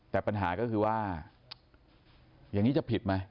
แต่ปัญหาก็คือว่าอย่างนี้จะผิดไหม